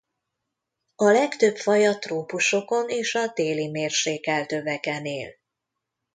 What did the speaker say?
A legtöbb faj a trópusokon és a déli mérsékelt öveken él.